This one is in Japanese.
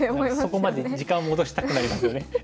そこまで時間を戻したくなりますよね。